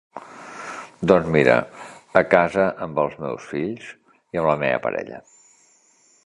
Doncs mira, a casa, amb els meus fills i amb la meva parella.